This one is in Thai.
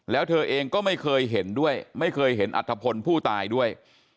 แล้วเธอเองก็ไม่เคยเห็นด้วยไม่เคยเห็นอัฐพลผู้ตายด้วย